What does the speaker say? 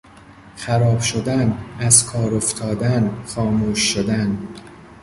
خراب شدن، از کار افتادن، خاموش شدن